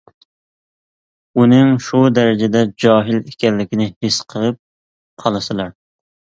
ئۇنىڭ شۇ دەرىجىدە جاھىل ئىكەنلىكىنى ھېس قىلىپ قالىسىلەر!